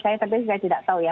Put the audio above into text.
saya tidak tahu ya